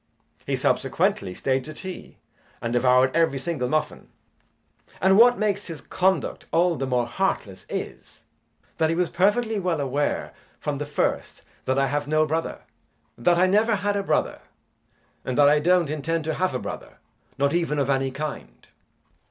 He subsequently stayed to tea, and devoured every single muffin. And what makes his conduct all the more heartless is, that he was perfectly well aware from the first that I have no brother, that I never had a brother, and that I don't intend to have a brother, not even of any kind.